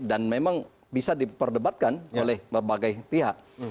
dan memang bisa diperdebatkan oleh berbagai pihak